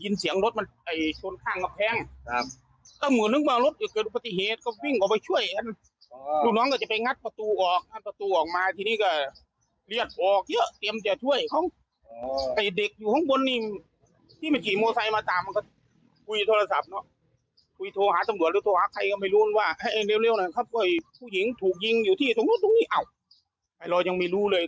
นี่แหละครับพอไปดูใกล้นะถูกยิงครับ